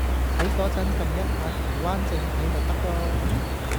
睇個陣㩒一下台灣正體咪得囉